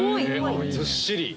ずっしり？